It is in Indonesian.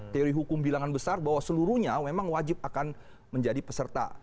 teori hukum bilangan besar bahwa seluruhnya memang wajib akan menjadi peserta